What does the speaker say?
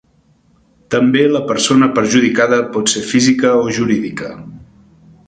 També la persona perjudicada pot ser física o jurídica.